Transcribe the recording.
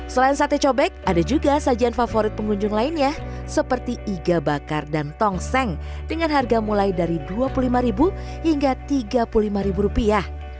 selain sate cobek ada juga sajian favorit pengunjung lainnya seperti iga bakar dan tongseng dengan harga mulai dari dua puluh lima hingga tiga puluh lima rupiah